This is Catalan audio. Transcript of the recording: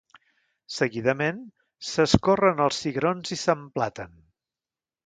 Seguidament, s’escorren els cigrons i s’emplaten.